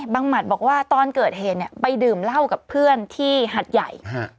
หมัดบอกว่าตอนเกิดเหตุเนี่ยไปดื่มเหล้ากับเพื่อนที่หัดใหญ่